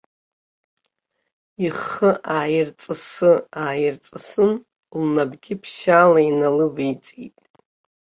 Ихы ааирҵысы-ааирҵысын, лнапгьы ԥшьаала иналывеиҵеит.